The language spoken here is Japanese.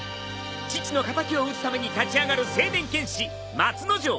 父の敵を討つために立ち上がる青年剣士松之丞。